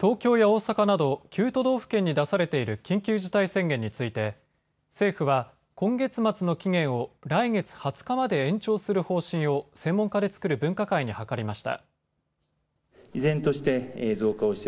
東京や大阪など９都道府県に出されている緊急事態宣言について政府は今月末の期限を来月２０日まで延長する方針を専門家で作る分科会に諮りました。